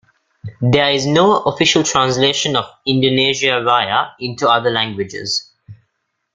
There is no official translation of "Indonesia Raya" into other languages.